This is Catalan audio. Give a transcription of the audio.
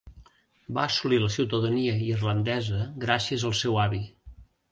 Va assolir la ciutadania irlandesa gràcies al seu avi.